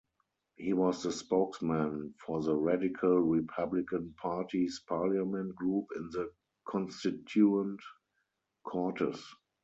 He was the spokesman for the Radical Republican Party’s parliament group in the Constituent Cortes.